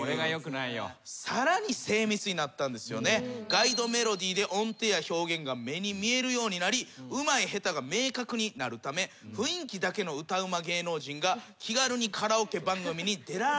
ガイドメロディーで音程や表現が目に見えるようになりうまい下手が明確になるため雰囲気だけの歌うま芸能人が気軽にカラオケ番組に出られなくなる。